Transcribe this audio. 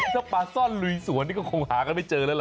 ถ้าปลาซ่อนลุยสวนนี่ก็คงหากันไม่เจอแล้วล่ะ